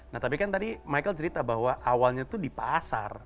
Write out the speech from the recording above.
nah tapi kan tadi michael cerita bahwa awalnya itu di pasar